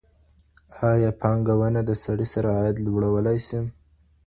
ایا پانګونه د سړي سر عاید لوړولای سي؟